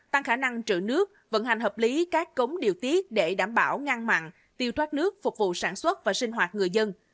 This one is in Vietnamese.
tăng khả năng trữ nước vận hành hợp lý các cống điều tiết để đảm bảo ngăn mặn tiêu thoát nước phục vụ sản xuất và sinh hoạt người dân